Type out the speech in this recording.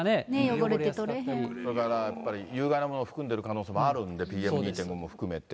汚れて取れへんやっぱり有害なものを含んでる可能性があるんで、ＰＭ２．５も含めて。